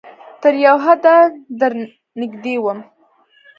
تر یو حده درنږدې وم